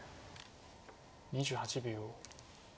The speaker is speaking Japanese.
２８秒。